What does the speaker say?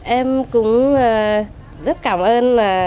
em cũng rất cảm ơn